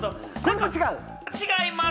違います。